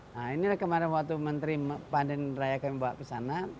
nah ini kemarin waktu menteri pandan raya kami bawa kesana